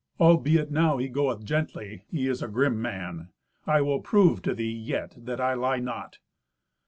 Albeit now he goeth gently, he is a grim man. I will prove to thee yet that I lie not."